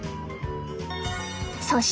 そして顔。